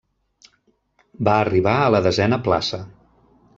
Va arribar a la desena plaça.